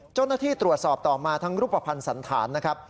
เจ้าหน้าที่ตรวจสอบต่อมาทั้งรูปภัณฑ์สันธารนะครับ